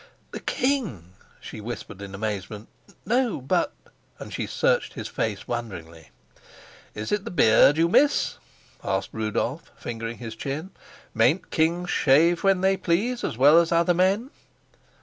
"The king!" she whispered in amazement. "No, but " And she searched his face wonderingly. "Is it the beard you miss?" asked Rudolf, fingering his chin. "Mayn't kings shave when they please, as well as other men?"